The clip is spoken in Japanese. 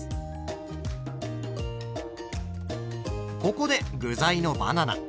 ここで具材のバナナ。